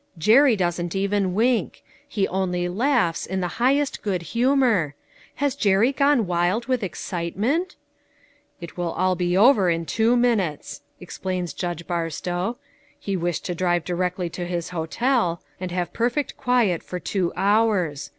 Jerry doesn't even wink. He only laughs, in the highest good humor. Has Jerry gone wild with excitement ?" It will all be over in two minutes," explains THE CR6WNING WONDER. 415 Judge Barstow. a He wished to drive directly to his hotel, and have perfect quiet for two hours.